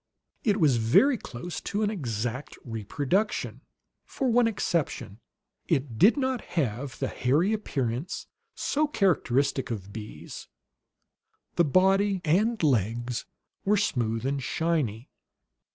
It was very close to an exact reproduction. For one exception, it did not have the hairy appearance so characteristic of bees; the body and "legs" were smooth and shiny.